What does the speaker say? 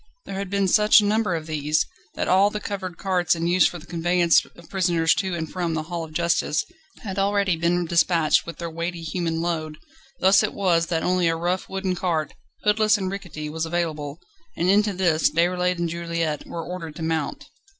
There had been such a number of these, that all the covered carts in use for the conveyance of prisoners to and from the Hall of Justice had already been despatched with their weighty human load; thus it was that only a rough wooden cart, hoodless and rickety, was available, and into this Déroulède and Juliette were ordered to mount.